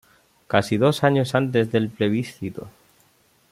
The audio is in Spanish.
Casi dos años antes del plebiscito.